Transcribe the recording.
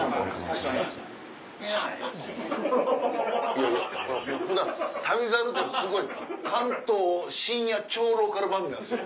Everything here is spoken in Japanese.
いやいや『旅猿』ってすごい関東深夜超ローカル番組なんですよ。